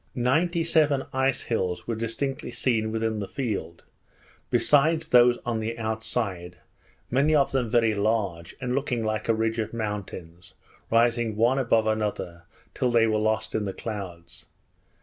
Ninety seven ice hills were distinctly seen within the field, besides those on the outside; many of them very large, and looking like a ridge of mountains, rising one above another till they were lost in the clouds.